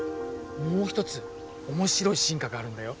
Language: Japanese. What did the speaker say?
もう一つ面白い進化があるんだよ。